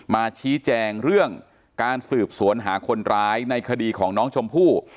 มาชี้แจงเรื่องการสืบสวนหาคนร้ายในคดีของน้องชมพู่